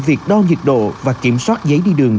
việc đo nhiệt độ và kiểm soát giấy đi đường